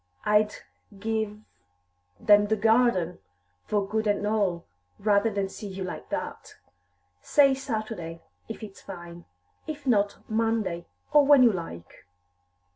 "I'd give them the garden, for good and all, rather than see you like that. Say Saturday, if it's fine; if not, Monday, or when you like."